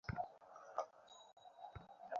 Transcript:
আমি একজন বুদ্ধিমান উকিল পেয়েছি।